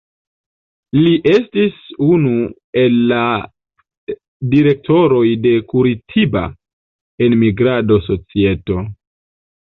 Li estis unu el la direktoroj de Curitiba Enmigrado Societo.